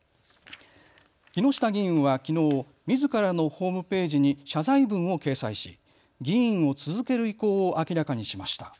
木下議員はきのう、みずからのホームページに謝罪文を掲載し議員を続ける意向を明らかにしました。